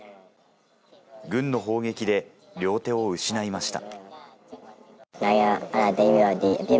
軍の砲撃で両手を失いました。